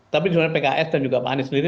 tapi sebenarnya pks dan juga pak anies sendiri